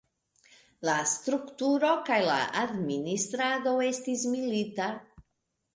La strukturo kaj la administrado estis milita.